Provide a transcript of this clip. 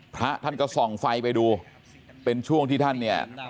พระท่านก็ส่องไฟไปดูเป็นช่วงที่ท่านเนี่ย